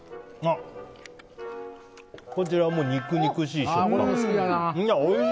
こちらも肉々しい食感。